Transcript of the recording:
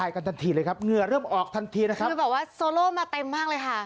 กันทันทีเลยครับเหงื่อเริ่มออกทันทีนะครับคือบอกว่าโซโลมาเต็มมากเลยค่ะ